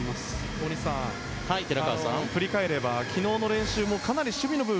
大西さん振り返れば昨日の練習もかなり守備の部分